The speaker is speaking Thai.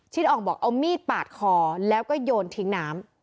อ่องบอกเอามีดปาดคอแล้วก็โยนทิ้งน้ำ